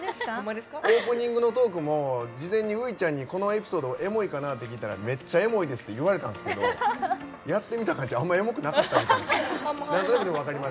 オープニングのトークも事前にウイちゃんにこのエピソードエモいかなって聞いたらめっちゃエモいですって言われたんですけどやってみた感じあんまエモくなかったみたい。